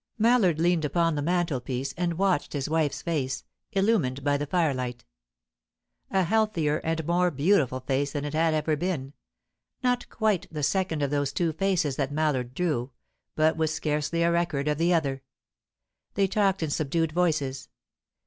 Mallard leaned upon the mantelpiece, and watched his wife's face, illumined by the firelight. A healthier and more beautiful face than it had ever been; not quite the second of those two faces that Mallard drew, but with scarcely a record of the other. They talked in subdued voices.